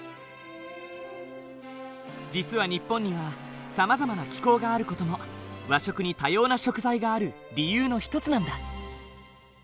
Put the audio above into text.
実は日本にはさまざまな気候がある事も和食に多様な食材がある理由の一つなんだ。